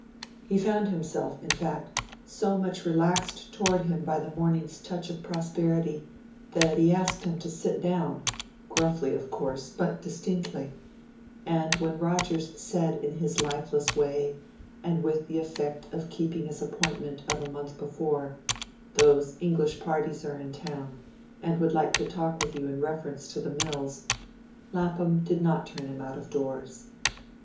He found himself, in fact, so much relaxed towards him by the morning's touch of prosperity that he asked him to sit down, gruffly, of course, but distinctly; and when Rogers said in his lifeless way, and with the effect of keeping his appointment of a month before, "Those English parties are in town, and would like to talk with you in reference to the mills," Lapham did not turn him out of doors.